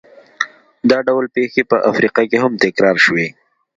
دا ډول پېښې په افریقا کې هم تکرار شوې.